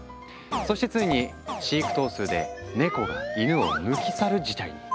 そしてついに飼育頭数でネコがイヌを抜き去る事態に。